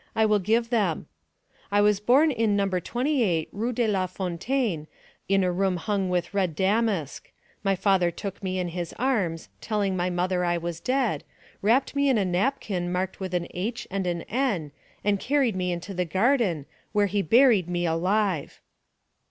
I will give them. I was born in No. 28, Rue de la Fontaine, in a room hung with red damask; my father took me in his arms, telling my mother I was dead, wrapped me in a napkin marked with an H and an N, and carried me into a garden, where he buried me alive."